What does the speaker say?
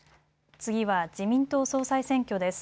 次は自民党総裁選挙です。